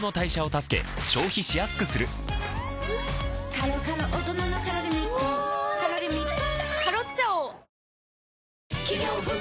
カロカロおとなのカロリミットカロリミット